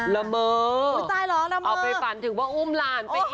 ละเมอเอาไปฝันถึงว่าอุ้มหลานไปอีก